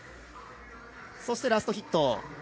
そして、ラストヒット。